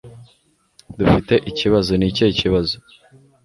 Dufite ikibazo Ni ikihe kibazo